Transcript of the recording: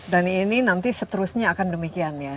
dan ini nanti seterusnya akan demikian ya